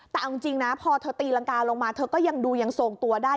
แต่เอาจริงนะพอเธอตีรังกาลงมาเธอก็ยังดูยังทรงตัวได้